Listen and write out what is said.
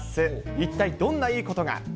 一体どんないいことが？